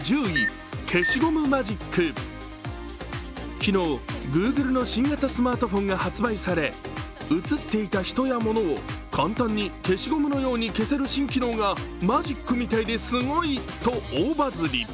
昨日、グーグルの新型スマートフォンが発売され、写っていた人や物を簡単に消しゴムのように消せる機能がマジックみたいですごいと大バズり。